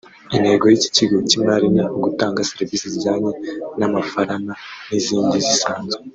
Intego y’iki kigo cy’imari ni ugutanga serivise zijyanye n’amafarana n’izindi zisanzwe